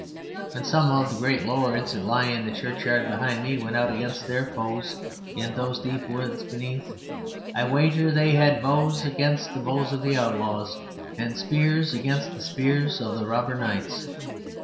When some of the great lords that lie in the churchyard behind me went out against their foes in those deep woods beneath I wager that they had bows against the bows of the outlaws, and spears against the spears of the robber knights.